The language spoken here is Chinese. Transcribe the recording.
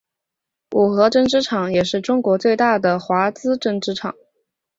五和针织厂也是中国最大的华资针织厂。